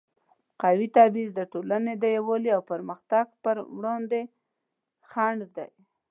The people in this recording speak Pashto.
قومي تبعیض د ټولنې د یووالي او پرمختګ پر وړاندې خنډ دی.